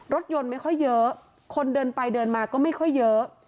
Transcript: รถยนต์ไม่ค่อยเยอะคนเดินไปเดินมาก็ไม่ค่อยเยอะ